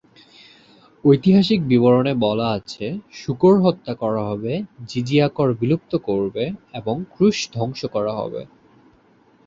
ঐতিহাসিক বিবরণে বলা আছে, শূকর হত্যা করা হবে, জিজিয়া কর বিলুপ্ত করবে এবং ক্রুশ ধ্বংস করা হবে।